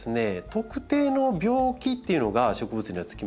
特定の病気っていうのが植物にはつきます種類によって。